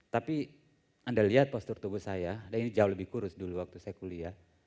tapi anda lihat postur tubuh saya dan ini jauh lebih kurus dulu waktu saya kuliah